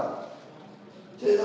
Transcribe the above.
kalau enam belas juta